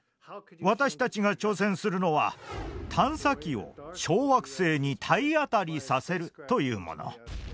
私たちが挑戦するのは探査機を小惑星に体当たりさせるというもの。